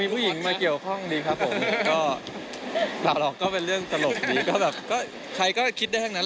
เป็นพี่น้องกัน